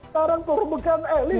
tarang perbekan elit